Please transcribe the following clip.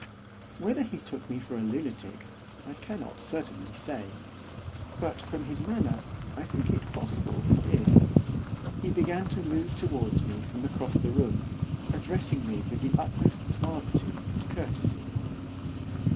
Whether he took me for a lunatic I cannot certainly say; but, from his manner, I think it possible he did. He began to move towards me from across the room, addressing me with the utmost suavity and courtesy.